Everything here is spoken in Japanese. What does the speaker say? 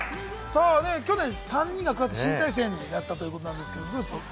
去年、３人が加わって新体制になったということなんですけれどもどうですか？